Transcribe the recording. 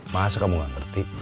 masa kamu gak ngerti